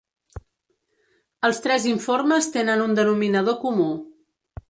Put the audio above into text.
Els tres informes tenen un denominador comú.